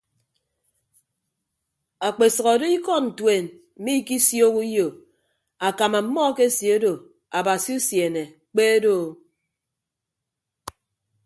Akpesʌk odo ikọd ntuen mmiikisiooho uyo akam ọmmọ akeseedo abasi usiene kpe doo.